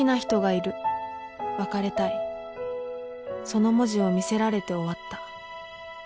その文字を見せられて終わった